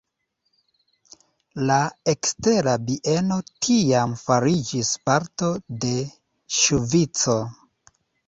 La Ekstera Bieno tiam fariĝis parto de Ŝvico.